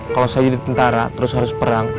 kalau saya jadi tentara terus harus perang